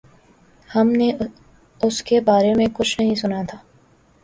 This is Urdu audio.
ہم نے اس کے بارے میں کچھ نہیں سنا تھا۔